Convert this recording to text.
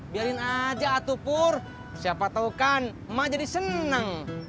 biarin aja atur pur siapa tau kan emak jadi senang